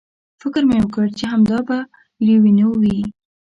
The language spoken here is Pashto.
فکر مې وکړ چې همدا به لویینو وي.